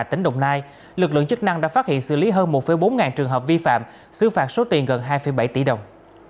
tỉnh đồng nai lực lượng chức năng đã phát hiện xử lý hơn một bốn trường hợp vi phạm xứ phạt số tiền gần hai bảy tỷ đồng